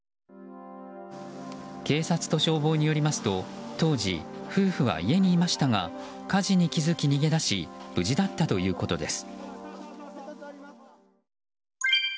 警察と消防によりますと当時、夫婦は家にいましたが火事に気付き逃げ出し無事だったということです。